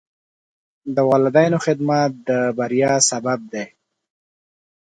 د والدینو خدمت د بریا سبب دی.